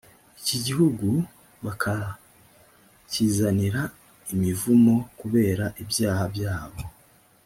iki gihugu bakakizanira imivumo kubera ibyaha byabo